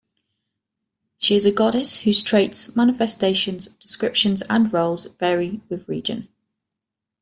She is a goddess whose traits, manifestations, descriptions, and roles vary with region.